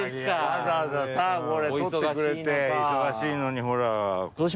わざわざさこれ撮ってくれて忙しいのにほら。